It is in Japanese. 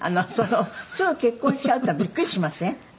「すぐ結婚しちゃうっていうのはびっくりしません？」